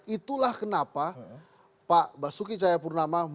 itulah kenapa pak basuki cahayapurnama